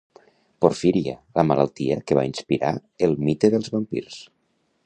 Porfíria: la malaltia que va inspirar el mite dels vampirs.